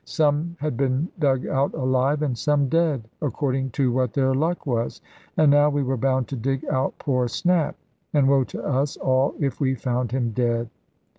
Some had been dug out alive, and some dead, according to what their luck was. And now we were bound to dig out poor Snap, and woe to us all if we found him dead!